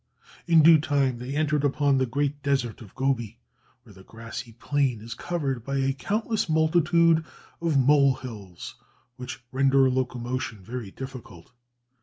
In due time they entered upon the great desert of Gobi, where the grassy plain is covered by a countless multitude of mole hills, which render locomotion very difficult.